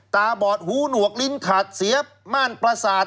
ตาบอดหูหนวกลิ้นขาดเสียม่านประสาท